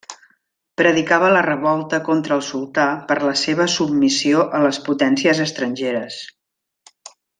Predicava la revolta contra el sultà per la seva submissió a les potències estrangeres.